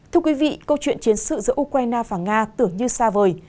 thưa quý vị câu chuyện chiến sự giữa ukraine và nga tưởng như xa vời